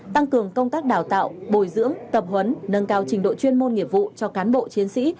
tăng cường công tác đào tạo bồi dưỡng tập huấn nâng cao trình độ chuyên môn nghiệp vụ cho cán bộ chiến sĩ